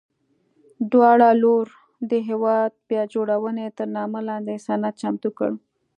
دواړو لورو د هېواد بیا جوړونې تر نامه لاندې سند چمتو کړ.